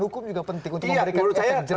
hukum juga penting untuk memberikan